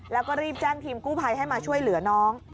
แล้วก็รีบแจ้งทีมกู้ภัยให้มาช่วยเหลือน้อง